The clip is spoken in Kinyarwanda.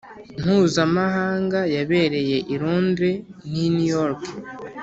mpuzamahanga yabereye i Londres n i New York